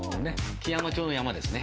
基山町の山ですね。